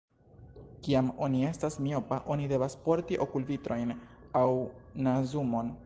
Kiam oni estas miopa oni devas porti okulvitrojn aŭ nazumon.